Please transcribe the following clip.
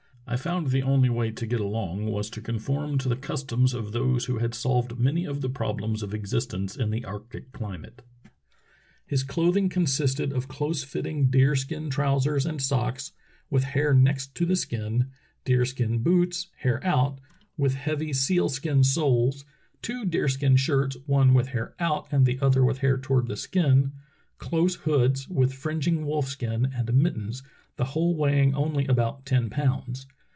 I found the only way to get along was to conform to the customs of those who had solved many of the problems of exist ence in the arctic climate." His clothing consisted of close fitting deerskin trousers and socks, with hair next t« the skin; deerskin boots, hair out, with heavy 286 True Tales of Arctic Heroism seal skin soles; two deerskin shirts, one with hair oilt and the other with hair toward the skin; close hoods, with fringing wolfskin, and mittens, the whole weigh ing only about ten pounds.